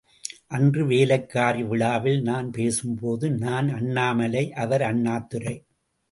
அன்று வேலைக்காரி விழாவில் நான் பேசும்போது, நான் அண்ணாமலை அவர் அண்ணாதுரை.